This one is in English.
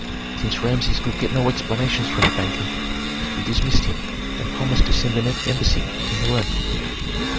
Since Rameses could get no explanations from the banker, he dismissed him, and promised to send an embassy to Hiram.